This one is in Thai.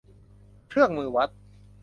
เครื่องมือวัด